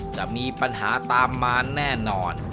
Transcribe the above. จะมีปัญหาตามมาแน่นอน